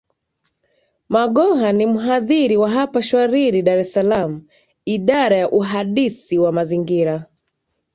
maghoha ni mhadhiri wa hapa chwariri dar es salam idara ya uhadisi wa mazingira